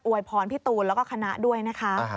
วยพรพี่ตูนแล้วก็คณะด้วยนะคะ